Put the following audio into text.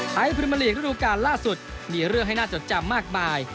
ไทยภูมิมาลีกรุ่นทุกการณ์ล่าสุดมีเรื่องให้น่าจะจำมากมาย